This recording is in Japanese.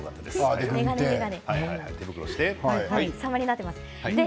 様になっています。